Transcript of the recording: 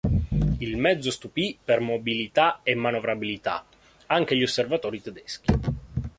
Il mezzo stupì, per mobilità e manovrabilità, anche gli osservatori tedeschi.